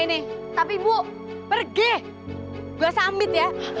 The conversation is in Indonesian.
kondisi ibu ranti